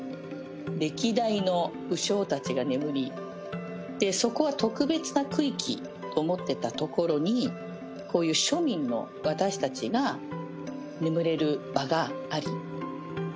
歴代の武将たちが眠り、そこは特別な区域と思っていた所に、こういう庶民の私たちが眠れる場があり。